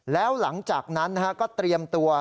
แล้วหลังจากนั้นก็เตรียมตัว